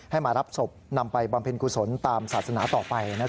มารับศพนำไปบำเพ็ญกุศลตามศาสนาต่อไป